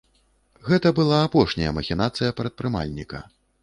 Гэта была апошняя махінацыя прадпрымальніка.